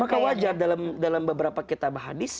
maka wajar dalam beberapa kitab hadis